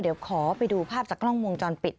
เดี๋ยวขอไปดูภาพจากกล้องวงจรปิด